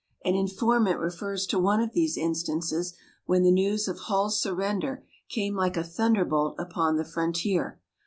An informant refers to one of these instances, when the news of Hull's surrender came like a thunderbolt upon the frontier.